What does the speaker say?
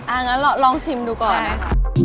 งั้นลองชิมดูก่อนนะคะ